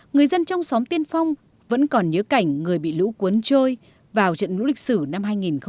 người dân trong xóm tiên phong vẫn còn nhớ cảnh người bị lũ cuốn trôi vào trận lũ lịch sử năm hai nghìn một mươi